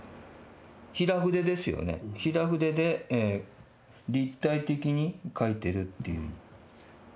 平筆ですよね、平筆で立体的に書いてるっていう。